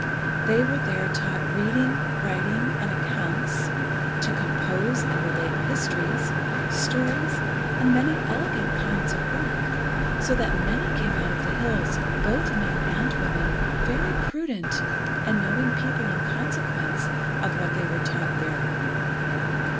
They were there taught reading, writing, and accounts, to compose and relate histories, stories, and many elegant kinds of work, so that many came out of the hills, both men and women, very prudent and knowing people in consequence of what they were taught there.